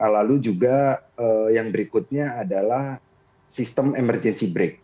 lalu juga yang berikutnya adalah sistem emergency break